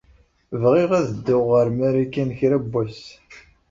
Bɣiɣ ad dduɣ ɣer Marikan kra n wass.